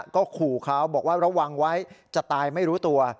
ก็ขู่เขาบอกว่าระวังไว้จะตายไม่รู้ตัว